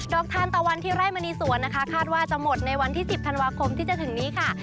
ทานตะวันที่ไร่มณีสวนนะคะคาดว่าจะหมดในวันที่๑๐ธันวาคมที่จะถึงนี้ค่ะ